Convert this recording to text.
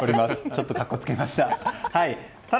ちょっと格好つけました。